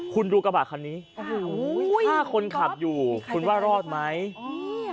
คุณดูกระบาดคันนี้โอ้โหถ้าคนขับอยู่คุณว่ารอดไหมอืม